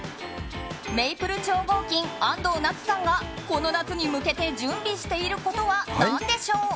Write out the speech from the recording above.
メイプル超合金、安藤なつさんがこの夏に向けて準備していることは何でしょう。